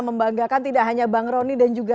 membanggakan tidak hanya bang rony dan juga